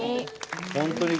本当に。